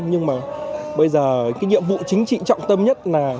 nhưng mà bây giờ cái nhiệm vụ chính trị trọng tâm nhất là